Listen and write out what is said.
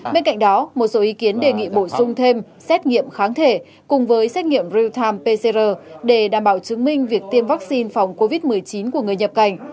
bên cạnh đó một số ý kiến đề nghị bổ sung thêm xét nghiệm kháng thể cùng với xét nghiệm real time pcr để đảm bảo chứng minh việc tiêm vaccine phòng covid một mươi chín của người nhập cảnh